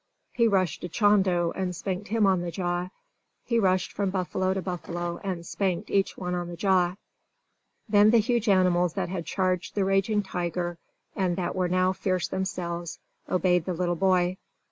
He rushed to Chando, and spanked him on the jaw. He rushed from buffalo to buffalo, and spanked each one on the jaw. Then the huge animals that had charged the raging tiger, and that were now fierce themselves, obeyed the little boy.